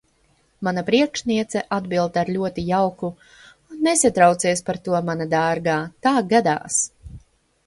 Mana priekšniece atbild ar ļoti jauku: Nesatraucies par to, mana dārgā, tā gadās.